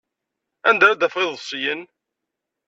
Anda ara d-afeɣ iḍebsiyen?